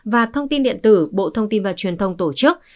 và thông tin điện tử bộ thông tin và truyền thông tổ chức